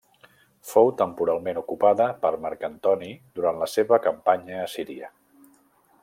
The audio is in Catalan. Fou temporalment ocupada per Marc Antoni durant la seva campanya a Síria.